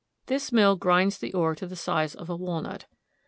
This mill grinds the ore to the size of a walnut.